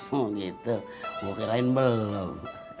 mau gitu gua kirain belum